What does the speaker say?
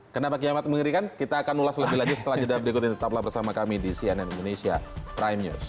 kenapa kiamat mengerikan kita akan ulas lebih lanjut setelah jeda berikut ini tetaplah bersama kami di cnn indonesia prime news